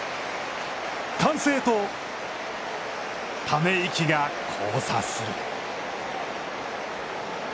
歓声とため息が交差する。